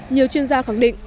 nhiều chuyên gia khẳng định